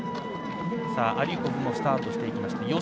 アディコフもスタートしていきました。